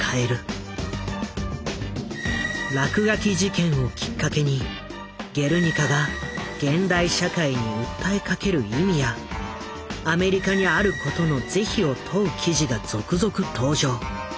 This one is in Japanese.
落書き事件をきっかけに「ゲルニカ」が現代社会に訴えかける意味やアメリカにあることの是非を問う記事が続々登場。